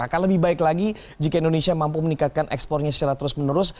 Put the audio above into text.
akan lebih baik lagi jika indonesia mampu meningkatkan ekspornya secara terus menerus